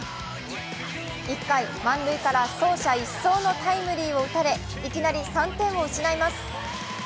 １回、満塁から走者一掃のタイムリーを打たれいきなり３点を失います。